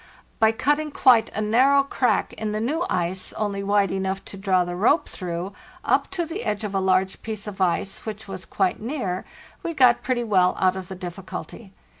By cutting quite a narrow crack in the new ice, only wide enough to draw the rope through, up to the edge of a large piece of ice which was quite near, we got pretty well out of the difficulty.